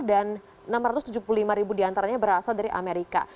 dan enam ratus tujuh puluh lima ribu diantaranya berasal dari amerika